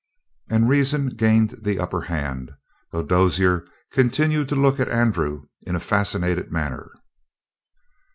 And reason gained the upper hand, though Dozier continued to look at Andrew in a fascinated manner.